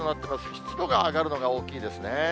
湿度が上がるのが大きいですね。